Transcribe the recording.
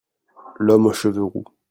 L'homme aux cheveux roux.